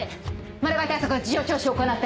マル害対策は事情聴取を行って！